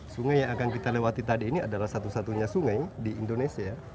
sungai yang akan kita lewati tadi ini adalah satu satunya sungai di indonesia